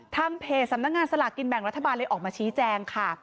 ทางเพจสำนักงานสลากกินแบ่งรัฐบาลเลยออกมาชี้แจงค่ะ